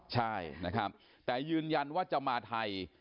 ใช่แต่ยืนยันว่าจะมาไทย